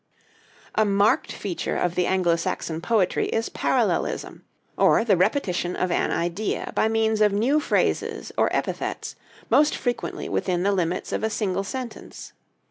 A marked feature of the Anglo Saxon poetry is parallelism, or the repetition of an idea by means of new phrases or epithets, most frequently within the limits of a single sentence.